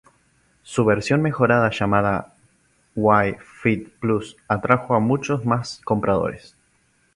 Su versión mejorada llamada Wii Fit Plus atrajo a muchos más compradores.